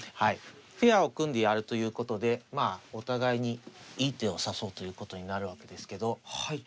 ペアを組んでやるということでまあお互いにいい手を指そうということになるわけですけど。